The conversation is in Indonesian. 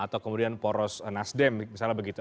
atau kemudian poros nasdem misalnya begitu